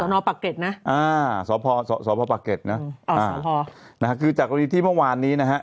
สนปากเก็ตนะอ่าสนพปากเก็ตนะคือจากวันนี้ที่เมื่อวานนี้นะฮะ